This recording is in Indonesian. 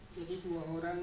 jadi dua orang